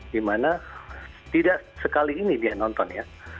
dimana tidak sekali ini dia nonton ya